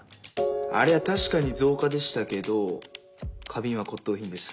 あれは確かに造花でしたけど花瓶は骨董品でした。